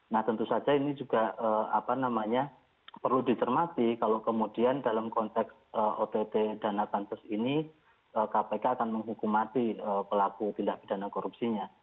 nah tentu saja ini juga perlu dicermati kalau kemudian dalam konteks ott dana pansus ini kpk akan menghukum mati pelaku tindak pidana korupsinya